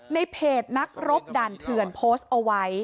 ในเพจนักรบด่านเถื่อนโพสต์เอาไว้